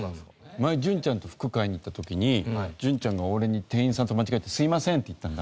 前潤ちゃんと服買いに行った時に潤ちゃんが俺に店員さんと間違えて「すいません」って言ったんだ。